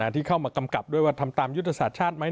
ที่เข้ามากำกับด้วยว่าทำตามยุทธศาสตร์ชาติไหม